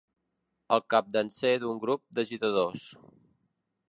El capdanser d'un grup d'agitadors.